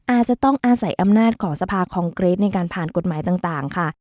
อาจจะต้องอาศัยอำนาจของสภาคองเกรทในการผ่านกฎหมายต่างค่ะ